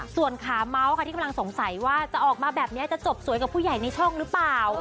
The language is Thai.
ส่วนขาเมาส์ค่ะที่กำลังสงสัยว่าจะออกมาแบบนี้จะจบสวยกับผู้ใหญ่ในช่องหรือเปล่า